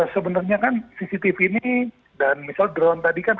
sebenarnya kan cctv ini dan misal drone tadi kan